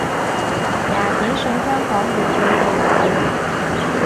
廿幾歲香港粵語嘅唔要